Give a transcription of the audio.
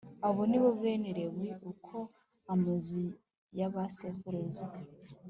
Abo ni bo bene Lewi uko amazu ya ba sekuruza